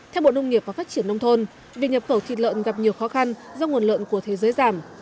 theo bộ nông nghiệp và phát triển nông thôn việc nhập khẩu thịt lợn gặp nhiều khó khăn do nguồn lợn của thế giới giảm